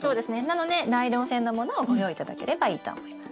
なのでナイロン製のものをご用意頂ければいいと思います。